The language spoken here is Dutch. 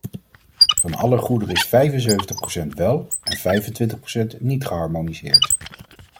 Van alle goederen is vijfenzeventig procent wel en vijfentwintig procent niet geharmoniseerd.